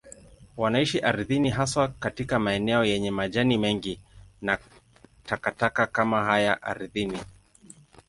Wanaishi ardhini, haswa katika maeneo yenye majani mengi na takataka kama haya ardhini.